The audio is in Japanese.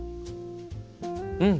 うん！